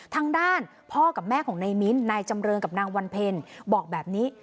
ทางด้านพ่อกับแม่ของนายมิ้นนายจำเริงกับนางวันเพลบอกแบบนี้